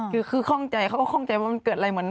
คือคือข้องใจเขาก็คล่องใจว่ามันเกิดอะไรเหมือน